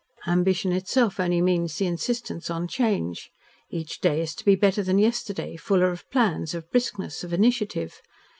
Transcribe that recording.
Ambition itself only means the insistence on change. Each day is to be better than yesterday fuller of plans, of briskness, of initiative.